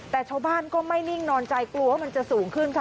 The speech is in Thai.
แต่ชาวบ้านก็ไม่นิ่งนอนใจกลัวว่ามันจะสูงขึ้นค่ะ